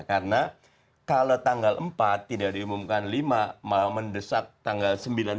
karena kalau tanggal empat tidak diumumkan lima malah mendesak tanggal sembilan sepuluh